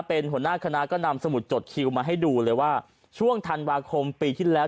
เป็นหัวหน้าคณะก็นำสมุดจดคิวมาให้ดูเลยว่าช่วงธันวาคมปีที่แล้ว